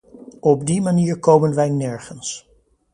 Op die manier komen wij nergens.